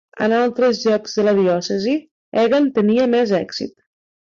En altres llocs de la diòcesi, Egan tenia més èxit.